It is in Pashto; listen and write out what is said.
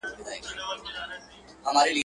په ډېري کې خوره، په لږي کې وېشه.